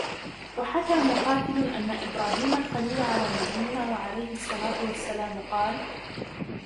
وَحَكَى مُقَاتِلٌ أَنَّ إبْرَاهِيمَ الْخَلِيلَ عَلَى نَبِيِّنَا وَعَلَيْهِ الصَّلَاةُ وَالسَّلَامُ قَالَ